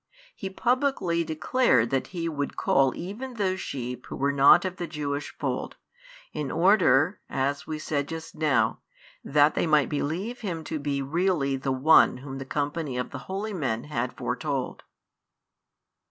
He publicly" declared that He would call even those sheep who were not of the Jewish fold, in order (as we said just now) that they might believe Him to be really the One Whom the company of the holy men had foretold.